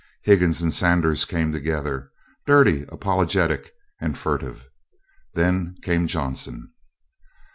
Higgins and Sanders came together dirty, apologetic, and furtive. Then came Johnson.